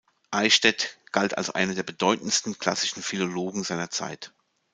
Eichstädt galt als einer der bedeutendsten klassischen Philologen seiner Zeit.